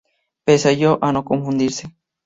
Pese a ello, a no confundirse.